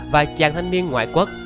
và chàng thanh niên ngoại quốc